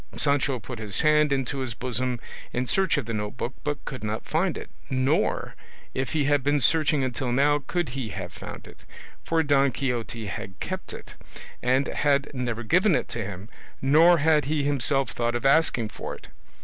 Sancho put his hand into his bosom in search of the note book but could not find it, nor, if he had been searching until now, could he have found it, for Don Quixote had kept it, and had never given it to him, nor had he himself thought of asking for it.